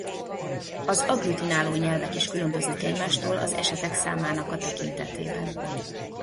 Az agglutináló nyelvek is különböznek egymástól az esetek számának a tekintetében.